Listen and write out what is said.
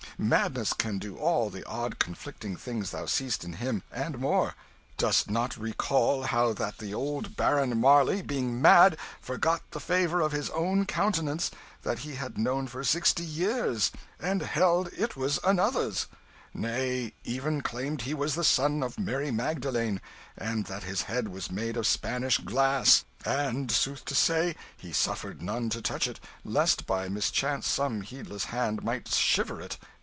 Madness can do all the odd conflicting things thou seest in him, and more. Dost not recall how that the old Baron Marley, being mad, forgot the favour of his own countenance that he had known for sixty years, and held it was another's; nay, even claimed he was the son of Mary Magdalene, and that his head was made of Spanish glass; and, sooth to say, he suffered none to touch it, lest by mischance some heedless hand might shiver it?